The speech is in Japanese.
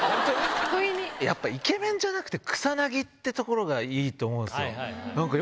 やっぱイケメンじゃなくて、草薙ってところがいいと思うんですよ。